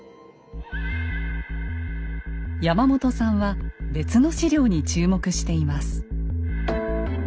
山本さんは別の史料に注目しています。